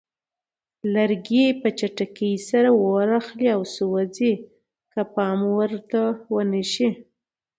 لرګي په چټکۍ سره اور اخلي او سوځي که پام ورته ونه شي.